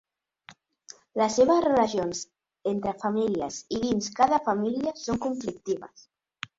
Les seves relacions entre famílies i dins cada família són conflictives.